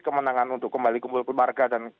kemenangan untuk kembali kembali ke keluarga